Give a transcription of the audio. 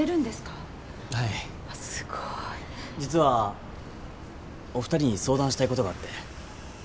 実はお二人に相談したいことがあって。